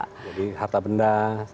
jadi harta benda